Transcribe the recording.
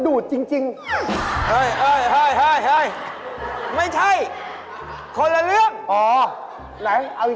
มึงบัตรซื่ออะไร